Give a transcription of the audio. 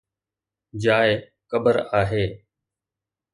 جاءِ قبر آهي